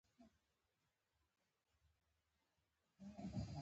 پسه د افغانانو له لرغونو اعتقاداتو سره تړاو لري.